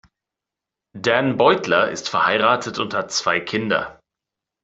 Dan Beutler ist verheiratet und hat zwei Kinder.